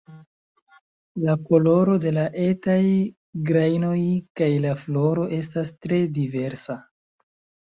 La koloro de la etaj grajnoj kaj la floro estas tre diversa.